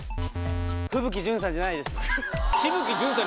風吹ジュンさんじゃないです。